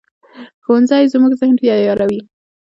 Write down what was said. ښوونځی زموږ ذهن تیاروي